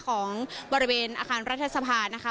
ของบริเวณอาคารรัฐสภานะคะ